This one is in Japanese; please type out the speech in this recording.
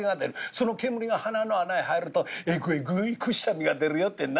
その煙が鼻の穴へ入るとエグエグイくっしゃみが出るよってんな。